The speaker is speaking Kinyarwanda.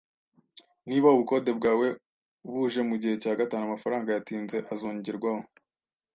Niba ubukode bwawe buje mugihe cyagatanu, amafaranga yatinze azongerwaho